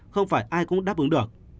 không phải ai cũng đáp ứng được